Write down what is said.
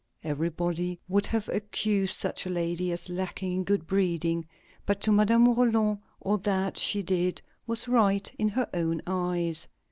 Everybody would have accused such a lady as lacking in good breeding. But to Madame Roland all that she did was right in her own eyes.